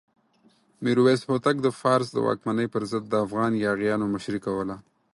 میرویس هوتک د فارس د واکمنۍ پر ضد د افغان یاغیانو مشري کوله.